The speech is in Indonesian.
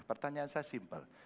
pertanyaan saya simpel